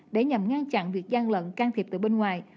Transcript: để nhằm ngăn chặn việc gian lận can thiệp từ bên ngoài